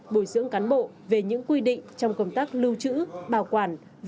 bồi dưỡng cán bộ về những quy định trong công tác lưu trữ bảo quản